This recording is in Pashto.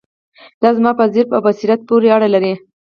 دا زما په ظرف او بصیرت پورې اړه لري.